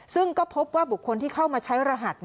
ซึ่งก็พบว่าบุคคลที่เข้ามาใช้รหัส